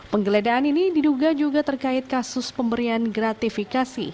penggeledahan ini diduga juga terkait kasus pemberian gratifikasi